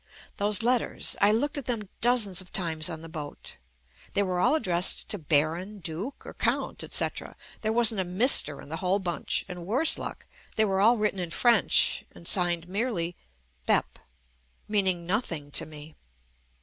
Those letters — I looked at them dozens of times on the boat. They were all addressed to Baron, Duke or Count, etc., there wasn't a Mister in the whole bunch, and worse JUST ME luck they were all written in French and signed merely "Bep," meaning nothing to me.